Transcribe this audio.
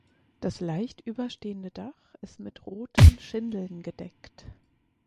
Das leicht überstehende Dach ist mit roten Schindeln gedeckt.